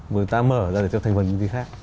người ta mở ra để cho thành phần kinh tế khác